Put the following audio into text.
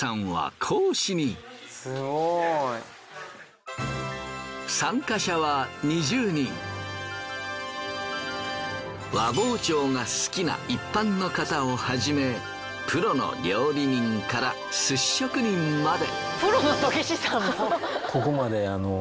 すごい！和包丁が好きな一般の方をはじめプロの料理人から寿司職人まで。